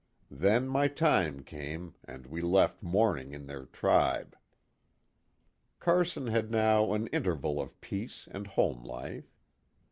Then my time came, and we left mourning in their tribe." Carson had now an interval of peace and home life.